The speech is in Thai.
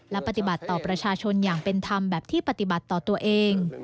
และปฏิบัติต่อประชาชนอย่างเป็นธรรมแบบที่ปฏิบัติต่อตัวเอง